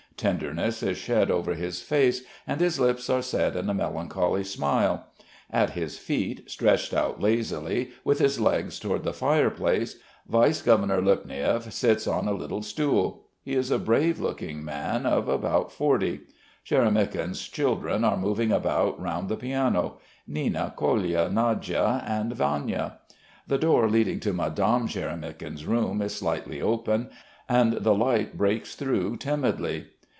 Tenderness is shed over his face, and his lips are set in a melancholy smile. At his feet, stretched out lazily, with his legs towards the fire place, Vice Governor Lopniev sits on a little stool. He is a brave looking man of about forty. Sharamykin's children are moving about round the piano; Nina, Kolya, Nadya, and Vanya. The door leading to Madame Sharamykin's room is slightly open and the light breaks through timidly.